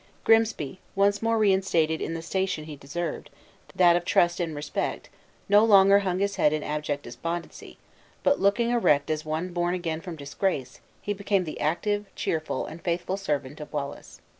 Grimsby, once more reinstated in the station he deserved that of trust and respect no longer hung his head in abject despondency; but looking erect as one born again from disgrace, he became the active, cheerful, and faithful servant of Wallace.